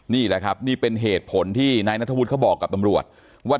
นี่แหละครับนี่เป็นเหตุผลที่นายนัทธวุฒิเขาบอกกับตำรวจว่า